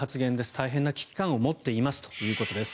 大変な危機感を持っていますということです。